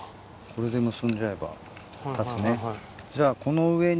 これで結んじゃえば立つね。